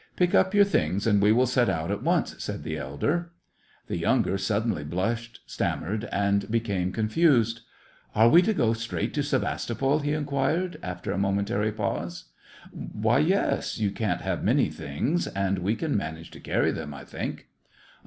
" Pick up your things and we will set out at once," said the elder. The younger suddenly blushed, stammered, and became confused. " Are we to go straight to Sevastopol }" he inquired, after a momentary pause. "Why, yes. You can't have many things, and we can manage to carry them, I think."